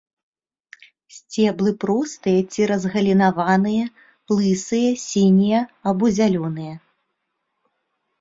Сцеблы простыя ці разгалінаваныя, лысыя, сінія або зялёныя.